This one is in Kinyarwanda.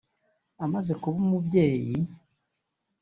amaze kuba umubyeyi